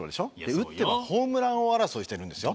打ってはホームラン王争いしてるんですよ。